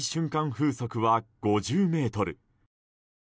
風速は５０メートル。